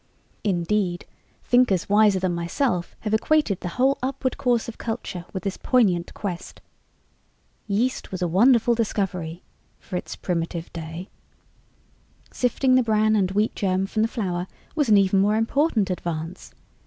Indeed, thinkers wiser than myself have equated the whole upward course of culture with this poignant quest. Yeast was a wonderful discovery for its primitive day. Sifting the bran and wheat germ from the flour was an even more important advance.